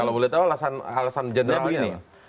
kalau boleh tahu alasan generalnya